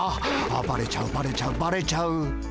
ああバレちゃうバレちゃうバレちゃう。